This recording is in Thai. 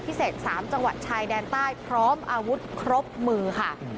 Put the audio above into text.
พิเศษ๓จังหวัดชายแดนใต้พร้อมอาวุธครบมือค่ะ